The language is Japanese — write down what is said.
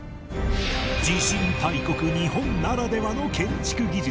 地震大国日本ならではの建築技術